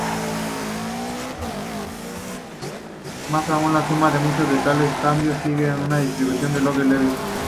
Más aún, la suma de muchos de tales cambios sigue una distribución de log-Levy.